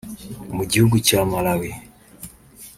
Mu gihugu cya Malawi